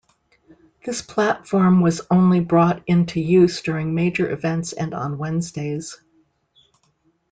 This platform was only brought into use during major events and on Wednesdays.